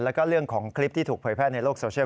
แล้วก็เรื่องของคลิปที่ถูกเผยแพร่ในโลกโซเชียล